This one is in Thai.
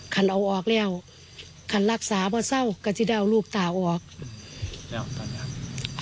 อันเอาออกแล้วคันรักษาเพราะเศร้าก็จะได้เอาลูกตาออกแล้วตอนนั้น